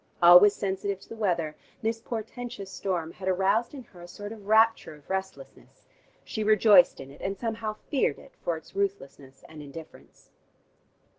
Always sensitive to the weather, this portentous storm had aroused in her a sort of rapture of restlessness: she rejoiced in it, and somehow feared it for its ruthlessness and indifference.